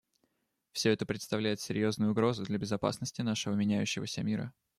Все это представляет серьезную угрозу для безопасности нашего меняющегося мира.